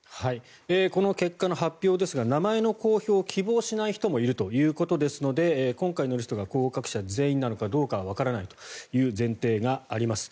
この結果の発表ですが名前の公表を希望しない人もいるということですので今回の人が合格者全員なのかはわからないという前提があります。